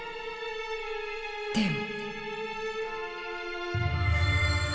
でも。